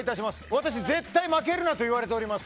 私は絶対負けるなと言われております。